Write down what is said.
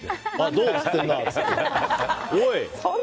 どう？って言ってるなって。